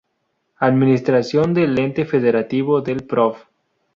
Administración del ente Federativo del Prof.